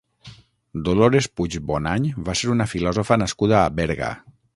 Dolores Puig Bonany va ser una filòsofa nascuda a Berga.